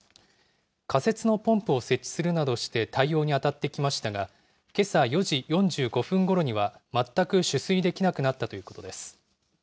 仮設のポンプを設置するなどして対応に当たってきましたが、けさ４時４５分ごろには、全く取水できなくなったということです。